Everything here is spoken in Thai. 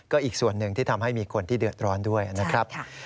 ก็อีกส่วนหนึ่งที่ทำให้มีคนที่เดือดร้อนด้วยนะครับ